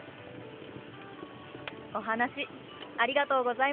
お話ありがとうございました！